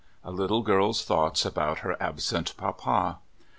A little girVs thoughts about her absent papa.